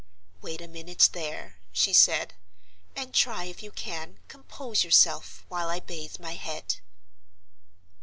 "Wait a minute there," she said, "and try if you can compose yourself while I bathe my head."